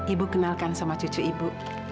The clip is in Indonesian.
ibu kenalkan sama cucu ibu